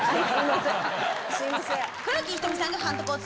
すいません！